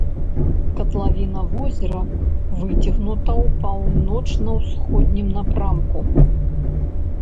Катлавіна возера выцягнута ў паўночна-ўсходнім напрамку.